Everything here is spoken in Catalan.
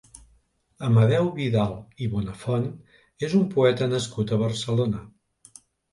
Amadeu Vidal i Bonafont és un poeta nascut a Barcelona.